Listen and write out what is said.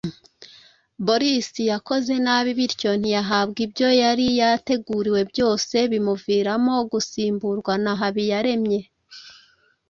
Boris yakoze nabi bityo ntiyahabwa ibyo yari yateguriwe byose, bimuviramo gusimburwa na Habiyaremye.